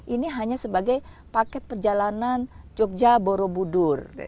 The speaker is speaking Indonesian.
ini hanya sebagai paket perjalanan jogja borobudur